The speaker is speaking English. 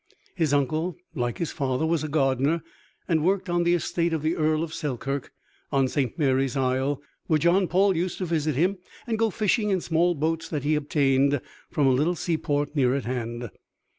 His uncle, like his father, was a gardener, and worked on the estate of the Earl of Selkirk on St. Mary's Isle, where John Paul used to visit him and go fishing in small boats that he obtained from a little seaport near at hand.